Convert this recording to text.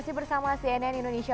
satu percerian kembali murid kita